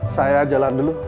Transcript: saya jalan dulu